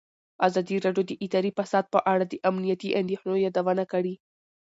ازادي راډیو د اداري فساد په اړه د امنیتي اندېښنو یادونه کړې.